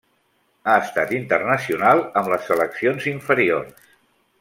Ha estat internacional amb les seleccions inferiors.